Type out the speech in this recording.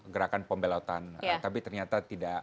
gerakan pembelotan tapi ternyata